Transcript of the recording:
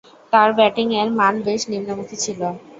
তার ব্যাটিংয়ের মান বেশ নিম্নমূখী ছিল।